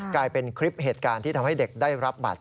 กลายเป็นคลิปเหตุการณ์ที่ทำให้เด็กได้รับบัตร